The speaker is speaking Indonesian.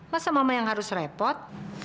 masa mama yang harus repot